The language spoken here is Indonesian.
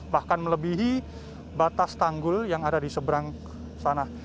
bahkan melebihi batas tanggul yang ada di seberang sana